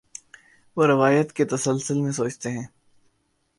وہ روایت کے تسلسل میں سوچتے ہیں۔